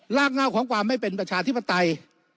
รากเง่าของความไม่เป็นประชาธิปไตย